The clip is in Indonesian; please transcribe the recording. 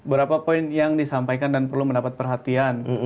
berapa poin yang disampaikan dan perlu mendapat perhatian